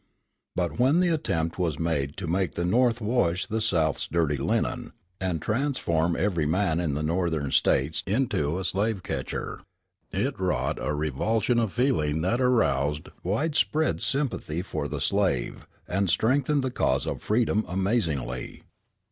But when the attempt was made to make the North wash the South's dirty linen, and transform every man in the Northern States into a slave catcher, it wrought a revulsion of feeling that aroused widespread sympathy for the slave and strengthened the cause of freedom amazingly.